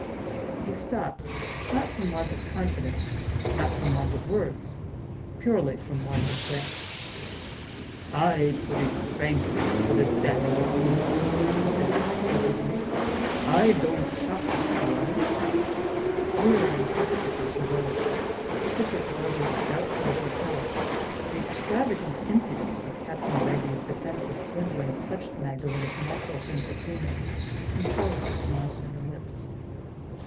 He stopped; not from want of confidence, not from want of words—purely from want of breath. "I put it frankly, with a dash of humor," he said, pleasantly. "I don't shock you—do I?" Weary and heart sick as she was—suspicious of others, doubtful of herself—the extravagant impudence of Captain Wragge's defense of swindling touched Magdalen's natural sense of humor, and forced a smile to her lips.